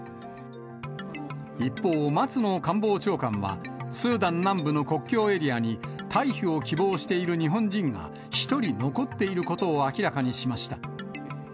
一方、松野官房長官は、スーダン南部の国境エリアに、退避を希望している日本人が１人残っていることを明らかにしました。